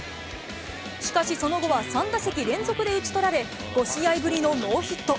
しかしその後は、３打席連続で打ち取られ、５試合ぶりのノーヒット。